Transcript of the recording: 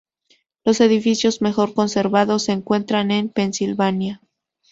Los edificios mejor conservados se encuentran en Pensilvania.